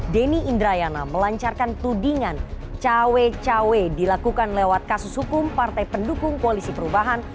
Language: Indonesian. denny indrayana melancarkan tudingan cawe cawe dilakukan lewat kasus hukum partai pendukung koalisi perubahan